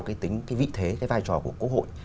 cái vị thế cái vai trò của cố hội